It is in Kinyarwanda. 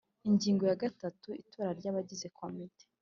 Ingingo ya gatatu Itora ry abagize Komite